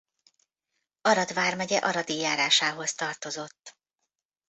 Arad vármegye Aradi járásához tartozott.